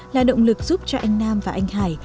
là động lực giúp cho anh nam và anh hải